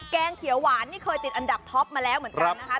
แกงเขียวหวานนี่เคยติดอันดับท็อปมาแล้วเหมือนกันนะคะ